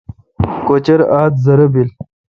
کچر ادھزرہ بیل۔